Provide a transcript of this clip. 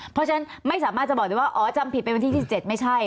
เพราะฉะนั้นไม่สามารถจะบอกได้ว่าอ๋อจำผิดเป็นวันที่๑๗ไม่ใช่